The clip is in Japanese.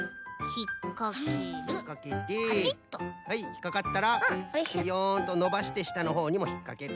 ひっかかったらビヨンっとのばしてしたのほうにもひっかける。